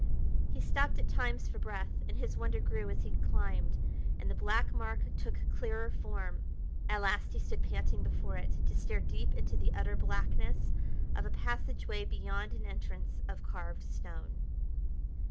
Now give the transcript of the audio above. He stopped at times for breath, and his wonder grew as he climbed and the black mark took clearer form. At last he stood panting before it, to stare deep into the utter blackness of a passageway beyond an entrance of carved stone.